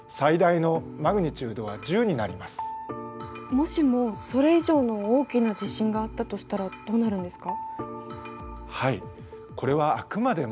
もしもそれ以上の大きな地震があったとしたらどうなるんですか？